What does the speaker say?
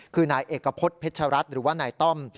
คือนายเอกพฤษเพชรัตน์หรือว่านายต้อม